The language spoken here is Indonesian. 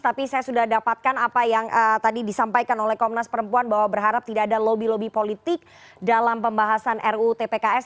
tapi saya sudah dapatkan apa yang tadi disampaikan oleh komnas perempuan bahwa berharap tidak ada lobby lobby politik dalam pembahasan ruu tpks